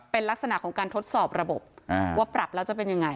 เป็นลักษณะของการทดสอบระบบว่าปรับแล้วจะเป็นยังไง